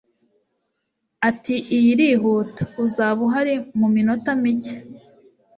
ati iyi irihuta. uzaba uhari mu minota mike